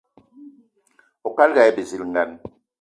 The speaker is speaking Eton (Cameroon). Oukalga aye bizilgan.